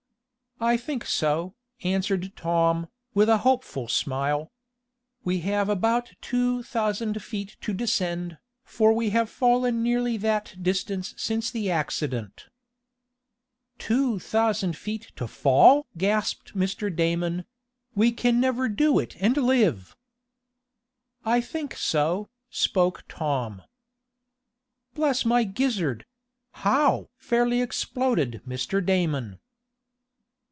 "I think so," answered Tom, with a hopeful smile. "We have about two thousand feet to descend, for we have fallen nearly that distance since the accident." "Two thousand feet to fall!" gasped Mr. Damon. "We can never do it and live!" "I think so," spoke Tom. "Bless my gizzard! How?" fairly exploded Mr. Damon.